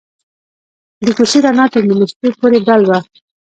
د کوڅې رڼا تر نیمې شپې پورې بل وه.